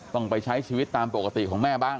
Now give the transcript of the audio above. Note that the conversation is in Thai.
ต้องไปใช้ชีวิตตามปกติของแม่บ้าง